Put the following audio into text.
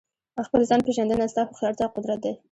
د خپل ځان پېژندنه ستا هوښیارتیا او قدرت دی.